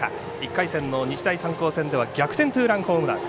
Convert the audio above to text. １回戦の日大三高戦では逆転のホームラン。